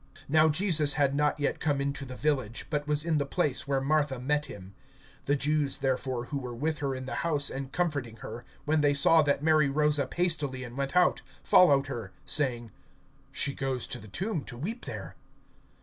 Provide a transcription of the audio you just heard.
(30)Now Jesus had not yet come into the village, but was in the place where Martha met him. (31)The Jews therefore who were with her in the house and comforting her, when they saw that Mary rose up hastily and went out, followed her, saying: She goes to the tomb to weep there.